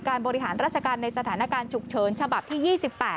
บริหารราชการในสถานการณ์ฉุกเฉินฉบับที่๒๘